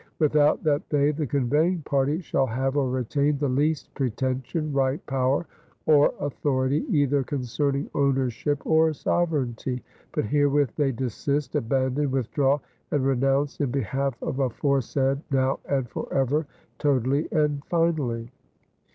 without that they, the conveying party shall have or retain the least pretension, right, power or authority either concerning ownership or sovereignty; but herewith they desist, abandon, withdraw and renounce in behalf of aforesaid now and forever totally and finally."